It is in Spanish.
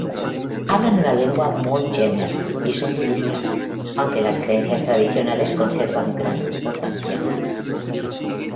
Hablan una lengua mon-jemer y son budistas, aunque las creencias tradicionales conservan gran importancia.